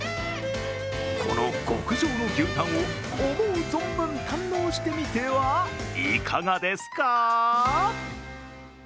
この極上の牛タンを思う存分堪能してみてはいかがですか？